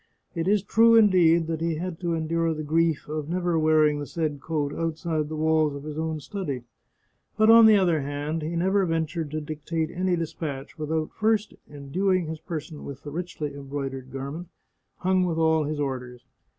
It is true, indeed, that he had to endure the grief of never wearing the said coat outside the walls of his own study, but, on the other hand, he never ventured to dictate any despatch without first enduing his person with the richly embroidered garment, hung with all his orders.